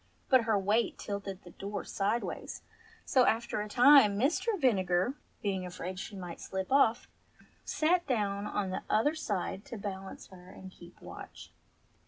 196 ENGLISH FAIRY TALES But her weight tilted the door sideways, so, after a time, Mr. Vinegar, being afraid she might shp off, sate down on the other side to balance her and keep watch.